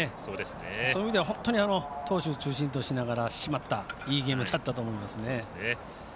そういう意味では投手中心としながら締まったいいゲームだったと思います。